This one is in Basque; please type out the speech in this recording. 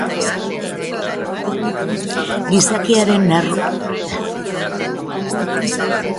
Gizakiaren neurrira bizi beste aukerarik ez duen pertsona baizik.